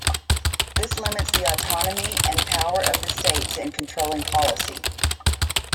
This limits the autonomy and power of the states in controlling policy.